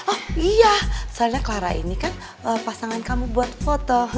oh iya soalnya clara ini kan pasangan kamu buat foto